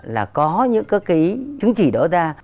là có những cái chứng chỉ đó ra